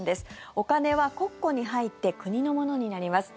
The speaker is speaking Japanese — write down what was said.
お金は国庫に入って国のものになります。